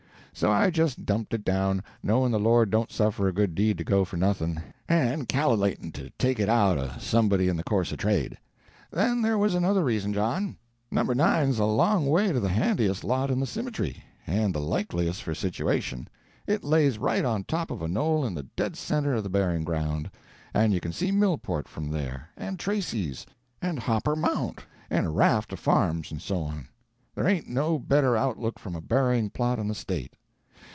So I just dumped it down, knowin' the Lord don't suffer a good deed to go for nothin', and cal'latin' to take it out o' somebody in the course o' trade. Then there was another reason, John. No. 9's a long way the handiest lot in the simitery, and the likeliest for situation. It lays right on top of a knoll in the dead center of the buryin' ground; and you can see Millport from there, and Tracy's, and Hopper Mount, and a raft o' farms, and so on. There ain't no better outlook from a buryin' plot in the state.